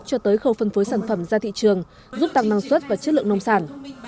cho tới khâu phân phối sản phẩm ra thị trường giúp tăng năng suất và chất lượng nông sản